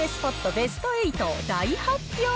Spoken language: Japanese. ベスト８を大発表。